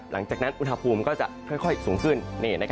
หลังจากนั้นอุณหภูมิก็จะค่อยสูงขึ้น